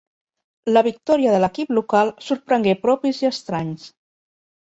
La victòria de l'equip local sorprengué propis i estranys.